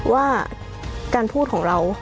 ว่าการพูดของเรา